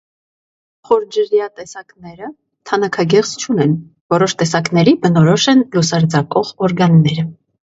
Խորջրյա տեսակները թանաքագեղձ չունեն, որոշ տեսակների բնորոշ են լուսարձակող օրգանները։